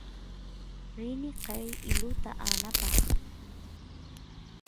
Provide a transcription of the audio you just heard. rini qeey iluta aanapaq